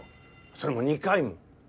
それも２回も。